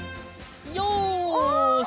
よし！